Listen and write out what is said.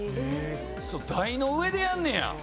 台の上でやんねや。